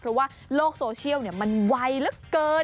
เพราะว่าโลกโซเชียลเนี่ยมันไวละเกิน